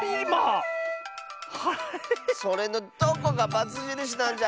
それのどこがバツじるしなんじゃ！